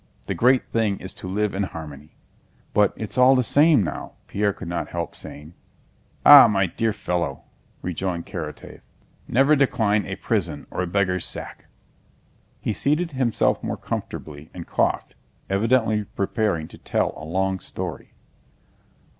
The great thing is to live in harmony...." "But it's all the same now," Pierre could not help saying. "Ah, my dear fellow!" rejoined Karatáev, "never decline a prison or a beggar's sack!" He seated himself more comfortably and coughed, evidently preparing to tell a long story.